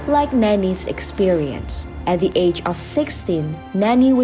di tahun dua ribu enam belas nanny terpaksa berkahwin secara rahasia